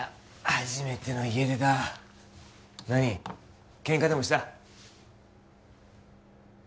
初めての家出だ何ケンカでもした？